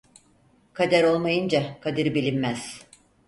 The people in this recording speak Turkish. Kader olmayınca kadir bilinmez.